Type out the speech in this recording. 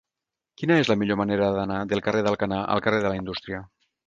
Quina és la millor manera d'anar del carrer d'Alcanar al carrer de la Indústria?